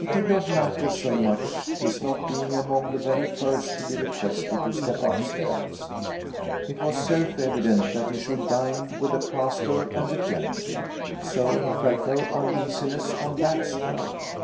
It did not matter so much his not being among the very first to be requested to step upstairs. It was self evident that he should dine with the pastor and the gentry; so he felt no uneasiness on that score.